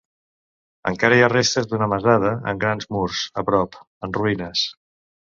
Encara hi ha restes d'una masada amb grans murs a prop, en ruïnes.